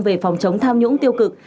về phòng chống tham nhũng tiêu cực